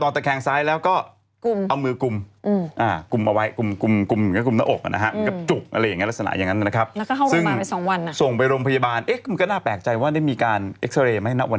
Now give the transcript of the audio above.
ก็ยังกังขาอยู่แล้วก็อยู่ข้างใจกันอยู่